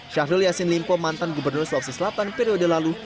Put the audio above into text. syahrul yassin limpo mantan gubernur sulawesi selatan periode lalu